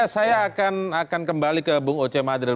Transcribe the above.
saya akan kembali ke bung oce madril